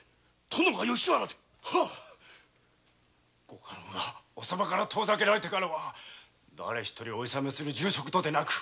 ご家老がおそばから遠ざけられてからはだれ一人おいさめする重職とてなく。